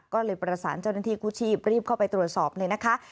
ก็เลยประสานเจ้าหน้าที่กู้ชีพรีบเข้าไปตรวจสอบเลยนะคะ